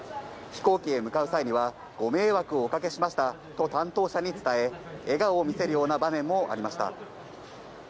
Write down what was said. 飛行機へ向かう際にはご迷惑おかけしましたと担当者に伝え、笑顔を見せるような場面もありました。